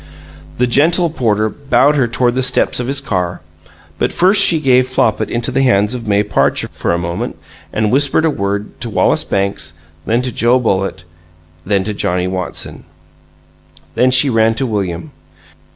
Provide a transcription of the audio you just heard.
The gentle porter bowed her toward the steps of his car; but first she gave Flopit into the hands of May Parcher, for a moment, and whispered a word to Wallace Banks; then to Joe Bullitt; then to Johnnie Watson; then she ran to William.